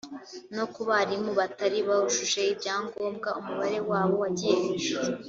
no ku barimu batari bujuje ibyangombwa umubare wabo wagiye hejuru